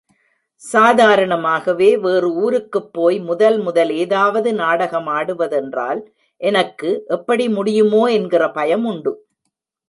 சாதாரணமாகவே, வேறு ஊருக்குப் போய் முதல் முதல் ஏதாவது நாடகமாடுவதென்றால், எனக்கு, எப்படி முடியுமோ என்கிற பயமுண்டு.